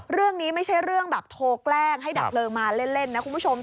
เรื่องนี้ไม่ใช่เรื่องแบบโทรแกล้งให้ดับเพลิงมาเล่นนะคุณผู้ชม